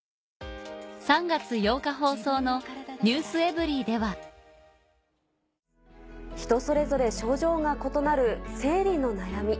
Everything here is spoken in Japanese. ３月８日放送の『ｎｅｗｓｅｖｅｒｙ．』では人それぞれ症状が異なる生理の悩み。